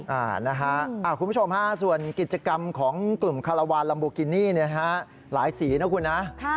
คุณผู้ชมส่วนกิจกรรมของกลุ่มคาราวาลรำบุกินี่หลายสีถูกเหรอ